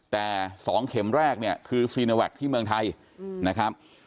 แต่สองเข็มแรกเนี่ยคือที่เมืองไทยอืมนะครับ